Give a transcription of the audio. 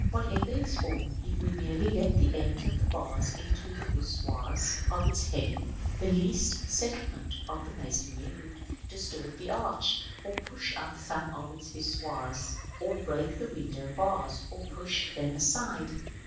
Whatever its form, if we merely let the ends of the bars into the voussoirs of its heading, the least settlement of the masonry would distort the arch, or push up some of its voussoirs, or break the window bars, or push them aside.